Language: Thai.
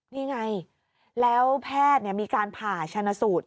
นี่ไงแล้วแพทย์มีการผ่าชนะสูตร